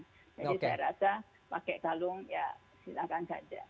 jadi saya rasa pakai kalung ya silahkan saja